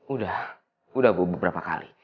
udah udah beberapa kali